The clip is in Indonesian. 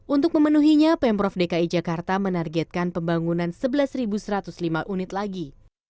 untuk memenuhinya pemprov dki jakarta menargetkan pembangunan sebelas satu ratus lima unit lagi